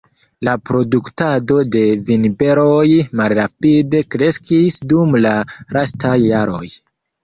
La produktado de vinberoj malrapide kreskis dum la lastaj jaroj.